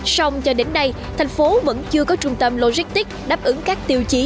xong cho đến nay thành phố vẫn chưa có trung tâm logistics đáp ứng các tiêu chí